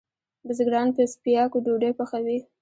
بزګران په څپیاکو ډوډئ پخوی